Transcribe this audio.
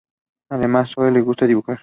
Además, Zoë le gusta dibujar.